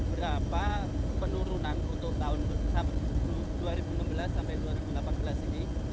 berapa penurunan untuk tahun dua ribu enam belas sampai dua ribu delapan belas ini